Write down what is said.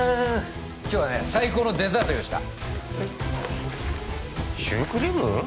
今日はね最高のデザート用意したシュークリーム？